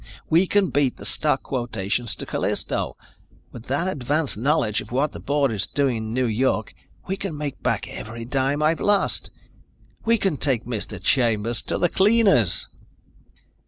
We can beat the stock quotations to Callisto. With that advance knowledge of what the board is doing in New York, we can make back every dime I've lost. We can take Mr. Chambers to the cleaners!"